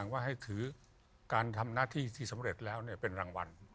ว่าให้ถือการทำหน้าที่ที่สำเร็จแล้วเป็นรางวัล